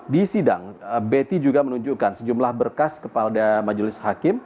di sidang betty juga menunjukkan sejumlah berkas kepada majelis hakim